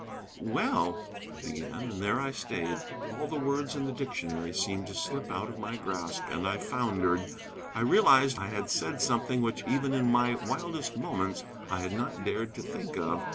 "Well " I began, and there I stayed. All the words in the dictionary seemed to slip out of my grasp, and I foundered. I realized I had said something which even in my wildest moments I had not dared to think of.